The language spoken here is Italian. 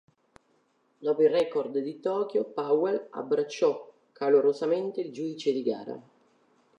Dopo il record di Tokyo, Powell abbracciò calorosamente il giudice di gara.